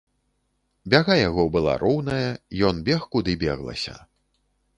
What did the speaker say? Бяга яго была роўная, ён бег куды беглася.